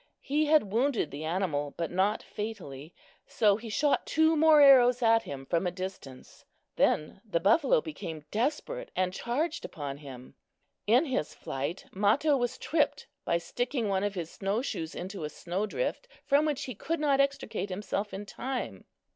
He had wounded the animal, but not fatally; so he shot two more arrows at him from a distance. Then the buffalo became desperate and charged upon him. In his flight Mato was tripped by sticking one of his snow shoes into a snowdrift, from which he could not extricate himself in time.